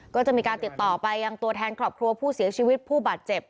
ก็จะมีการติดต่อไปยังตัวแทนครอบครัวผู้เสียชีวิตผู้บาดเจ็บ